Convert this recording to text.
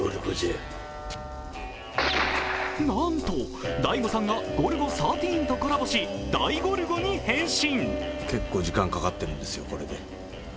なんと大悟さんが「ゴルゴ１３」とコラボし大悟ルゴに変身。